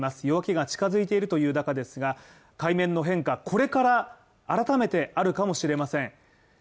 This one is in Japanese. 夜明けが近づいているという中ですが海面の変化、これから改めてあるかもしれません。